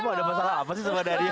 kamu ada masalah apa sih sama daniel